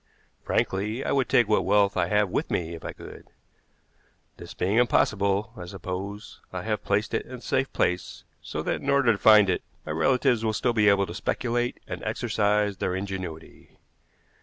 Frankly, I would take what wealth I have with me if I could. This being impossible, I suppose, I have placed it in a safe place, so that, in order to find it, my relatives will still be able to speculate and exercise their ingenuity.